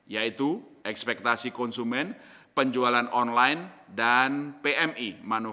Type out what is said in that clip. yaitu ekspektasi konsumen penjualan online dan pmi